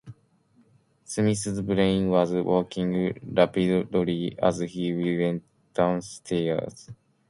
Smith's brain was working rapidly as he went downstairs.